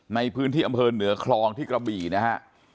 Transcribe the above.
ในพื้นที่อำเภอเหนือคลองที่กระบี่นะฮะ